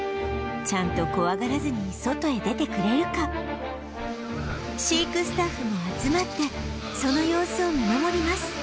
ちゃんと怖がらずに外へ出てくれるか飼育スタッフも集まってその様子を見守ります